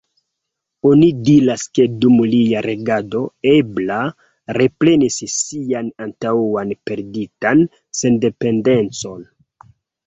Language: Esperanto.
Oni diras ke dum lia regado, Ebla reprenis sian antaŭan perditan sendependecon.